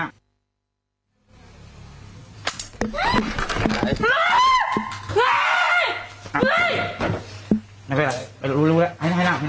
อย่าเป็นไรเรารู้แล้วให้นั่น